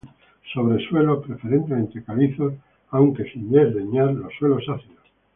Sobre suelos preferentemente calizos, aunque sin desdeñar los suelos ácidos.